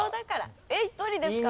えっ１人ですか？